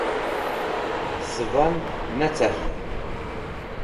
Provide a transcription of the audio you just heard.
sẽvand may car